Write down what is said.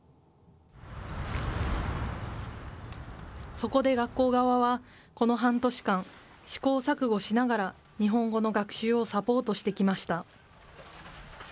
そこで学校側は、この半年間、試行錯誤しながら、日本語の学習をサポートしてきました。